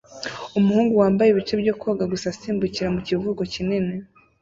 Umuhungu wambaye ibice byo koga gusa asimbukira ku kivuko kinini